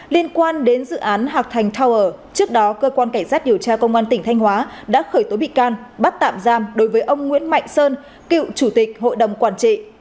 liên quan đến dự án hạc thành tower trước đó cơ quan cảnh sát điều tra công an tỉnh thanh hóa đã khởi tố bị can bắt tạm giam đối với ông nguyễn mạnh sơn cựu chủ tịch hội đồng quản trị